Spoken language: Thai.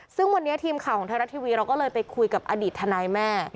ซึ่งวันนี้ทีมข่าวของไทยรัฐทีวีเราก็เลยไปคุยกับอดีตทนายแม่